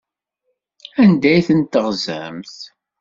Anda ay ten-teɣzamt?